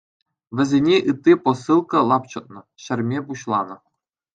Вӗсене ытти посылка лапчӑтнӑ, ҫӗрме пуҫланӑ.